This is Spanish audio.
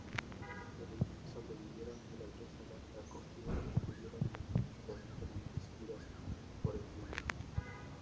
Sobrevivieron gracias a la acogida que tuvieron en las diferentes giras por el mundo.